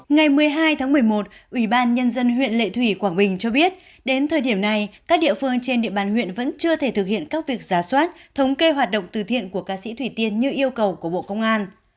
ngày một mươi hai tháng một mươi một ủy ban nhân dân huyện lệ thủy quảng bình cho biết đến thời điểm này các địa phương trên địa bàn huyện vẫn chưa thể thực hiện các việc giả soát thống kê hoạt động từ thiện của ca sĩ thủy tiên như yêu cầu của bộ công an